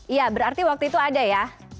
iya berarti waktu itu ada ya